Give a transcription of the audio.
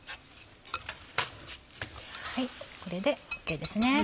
これでＯＫですね。